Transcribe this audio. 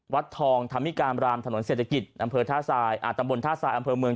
วัดทองธามิกามรามถนนเศรษฐกิจอาบท่าทรายอาบเมือง